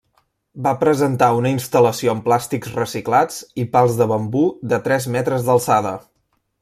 Va presentar una instal·lació amb plàstics reciclats i pals de bambú de tres metres d’alçada.